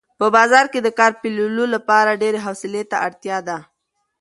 په بازار کې د کار پیلولو لپاره ډېرې حوصلې ته اړتیا ده.